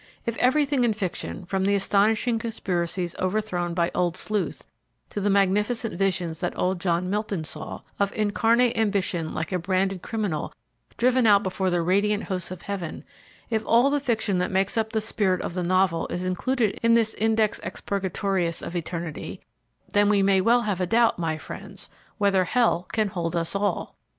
If everything in fiction from the astonishing conspiracies overthrown by "Old Sleuth" to the magnificent visions that old John Milton saw, of incarnate ambition like a branded criminal driven out before the radiant hosts of heaven if all the fiction that makes up the spirit of the novel is included in this index expurgatorius of eternity, then we may well have a doubt, my friends, whether hell can hold us all.